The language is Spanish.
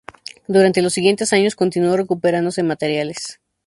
Durante los siguientes años continuó recuperándose materiales.